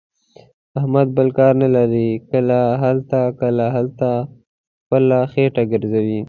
احمد بل کار نه لري. کله هلته، کله هلته، خپله خېټه ګرځوي.